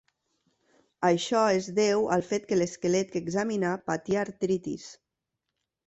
Això es deu al fet que l'esquelet que examinà patia artritis.